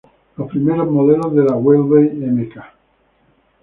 Los primeros modelos de la Webley Mk.